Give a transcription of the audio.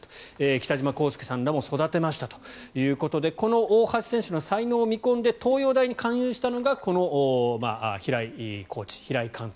北島康介さんさんらも育てましたということでこの大橋選手の才能を見込んで東洋大に勧誘したのが平井監督。